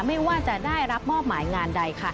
ไม่ว่าจะได้รับมอบหมายงานใดค่ะ